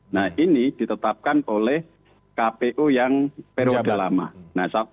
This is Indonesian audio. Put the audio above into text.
nah ini ditetapkan oleh kpu yang periode lama